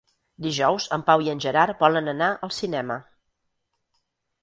Dijous en Pau i en Gerard volen anar al cinema.